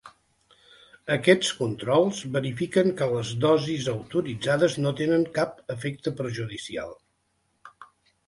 Aquests controls verifiquen que les dosis autoritzades no tenen cap efecte perjudicial.